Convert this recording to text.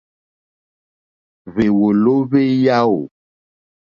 Hwèwòló hwé yáò.